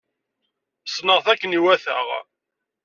Sneɣ-t akken iwata.